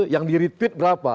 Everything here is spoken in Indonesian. yang di retweet berapa